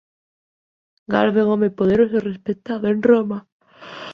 Galba é un home poderoso e respectado en Roma.